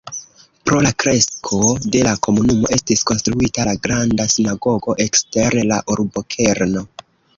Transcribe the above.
Pro la kresko de la komunumo estis konstruita la Granda sinagogo ekster la urbokerno.